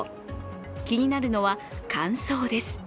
気になるのは乾燥です。